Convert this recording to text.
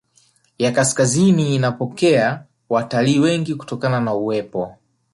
ya kaskazini inapokea watalii wengi kutokana na uwepo